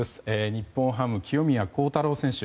日本ハム、清宮幸太郎選手